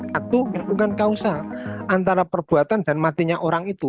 satu hubungan kausa antara perbuatan dan matinya orang itu